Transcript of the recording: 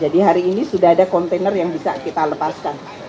jadi hari ini sudah ada kontainer yang bisa kita lepaskan